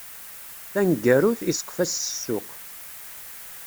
Taneggarut, iseqqef-as s ssuq.